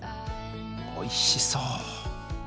おいしそう。